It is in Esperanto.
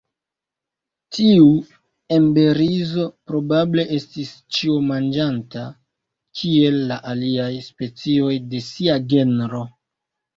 Tiu emberizo probable estis ĉiomanĝanta, kiel la aliaj specioj de sia genro.